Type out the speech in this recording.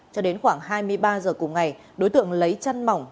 cho đến khoảng hai mươi ba giờ cùng ngày đối tượng lấy chân mỏng